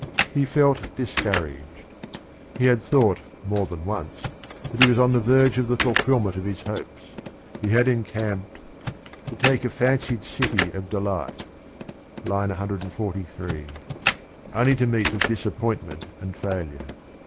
He felt discouraged. He had thought more than once that he was on the verge of the fulfilment of his hopes : he had encamped —" To take a fancied city of delight " (II. 143) only to meet with disappointment and failure.